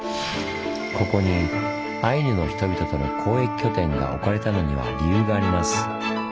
ここにアイヌの人々との交易拠点が置かれたのには理由があります。